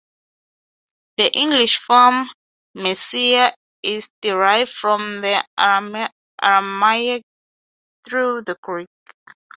"The English form "Messiah" is derived from the Aramaic through the Greek."